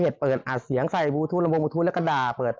ช่วงวันจข่าวแล้วเปิด